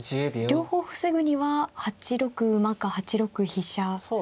両方防ぐには８六馬か８六飛車でしょうか。